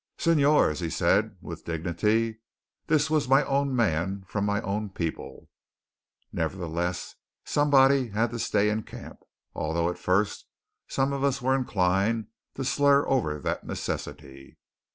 "Señores," he said with dignity, "this was my own man from my own people." Nevertheless somebody had to stay in camp, although at first some of us were inclined to slur over that necessity.